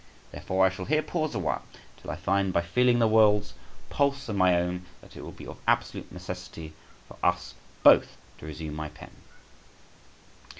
Therefore I shall here pause awhile, till I find, by feeling the world's pulse and my own, that it will be of absolute necessity for us both to resume my pen.